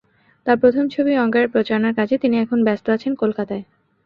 তাঁর প্রথম ছবি অঙ্গার-এর প্রচারণার কাজে তিনি এখন ব্যস্ত আছেন কলকাতায়।